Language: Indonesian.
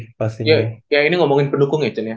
ya ini ngomongin pendukung ya cen ya